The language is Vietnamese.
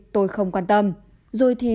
tôi không quan tâm rồi thì